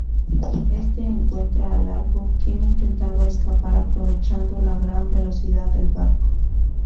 Éste encuentra a Largo, quien intentaba escapar aprovechando la gran velocidad del barco.